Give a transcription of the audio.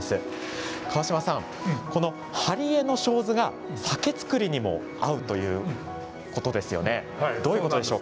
川島さん、この針江の生水が酒造りにも合うということですよね。